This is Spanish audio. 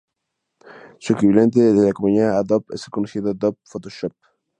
Su equivalente en la compañía Adobe es el conocido Adobe Photoshop.